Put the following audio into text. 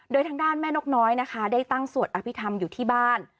โดยทางด้านแม่นกน้อยนะคะได้ตั้งสวดอภิษฐรรมอยู่ที่บ้าน